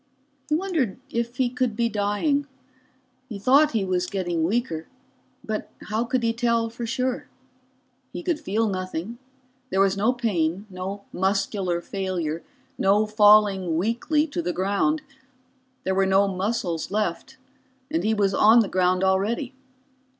He wondered if he could be dying. He thought he was getting weaker but how could he tell for sure? He could feel nothing, there was no pain, no muscular failure, no falling weakly to the ground. There were no muscles left and he was on the ground already.